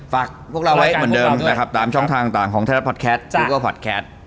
ฝากพวกเราไว้เหมือนเดิมนะครับตามช่องทางต่างของไทยรัฐพอดแคทนึกว่าพอดแคส